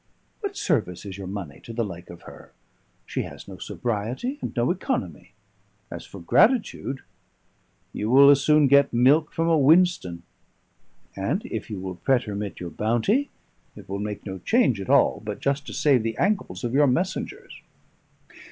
What service is your money to the like of her? She has no sobriety and no economy as for gratitude, you will as soon get milk from a whinstone; and if you will pretermit your bounty, it will make no change at all but just to save the ankles of your messengers."